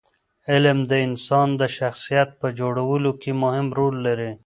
علم د انسان د شخصیت په جوړولو کې مهم رول لري.